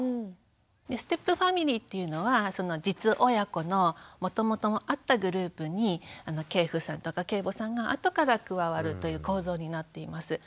ステップファミリーっていうのは実親子のもともとあったグループに継父さんとか継母さんが後から加わるという構造になっています。